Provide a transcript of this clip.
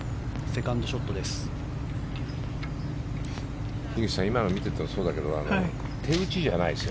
セカンドショットです。